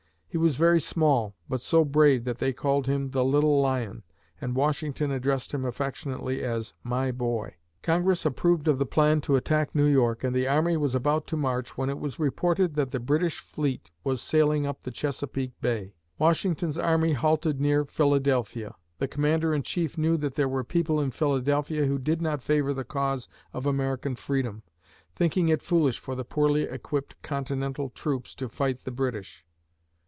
He was very small but so brave that they called him "the little lion" and Washington addressed him affectionately as "my boy." Congress approved of the plan to attack New York and the army was about to march, when it was reported that the British fleet was sailing up the Chesapeake Bay. Washington's army halted near Philadelphia. The Commander in Chief knew that there were people in Philadelphia who did not favor the cause of American freedom, thinking it foolish for the poorly equipped Continental troops to fight the British.